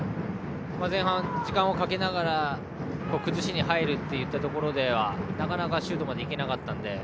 前半、時間をかけながら崩しに入るところではなかなかシュートまで行けなかったので。